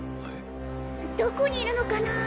どこにいるのかな？